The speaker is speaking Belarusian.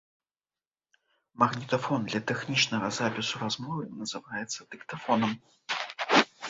Магнітафон для тэхнічнага запісу размовы называецца дыктафонам.